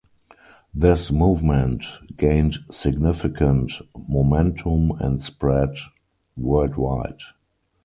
This movement gained significant momentum and spread worldwide.